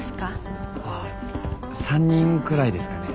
あ３人くらいですかね。